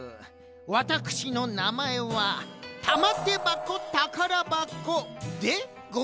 ワタクシのなまえはたまてばこたからばこでございます。